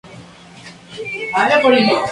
Es publicado por la empresa pública del mismo nombre.